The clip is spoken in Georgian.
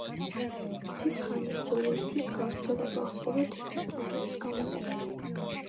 ქვის ხანის ბოლოსთვის, გავრცელება ჰპოვა თიხის ჭურჭლის გამოყენებამ.